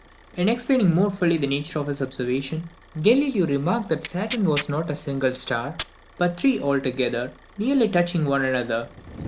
In explaining more fully the nature of his observation, Galileo remarked that Saturn was not a single star, but three together, nearly touching one another.